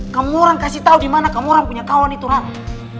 kamu orang kasih tau dimana kamu orang punya kawan itu rara